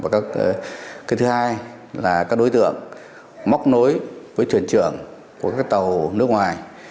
cái thứ hai là các đối tượng móc nối với thuyền trưởng của các tàu nước ngoài